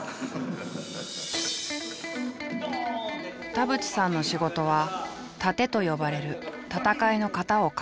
田渕さんの仕事は殺陣と呼ばれる戦いの型を考えること。